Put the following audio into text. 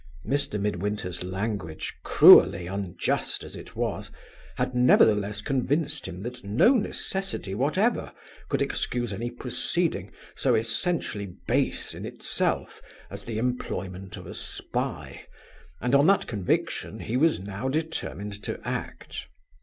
Mr. Midwinter's language, cruelly unjust as it was, had nevertheless convinced him that no necessity whatever could excuse any proceeding so essentially base in itself as the employment of a spy, and on that conviction he was now determined to act.